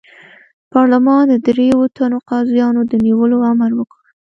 پارلمان د دریوو تنو قاضیانو د نیولو امر وکړ.